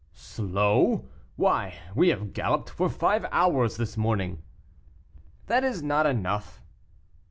"Slow! why, we have galloped for five hours this morning." "That is not enough."